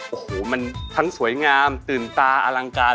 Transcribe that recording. โอ้โหมันทั้งสวยงามตื่นตาอลังการ